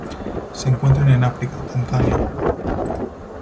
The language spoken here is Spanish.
Se encuentran en África: Tanzania.